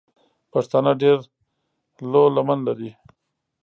پښتانه ډېره لو لمن لري.